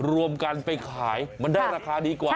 รวมกันไปขายมันได้ราคาดีกว่า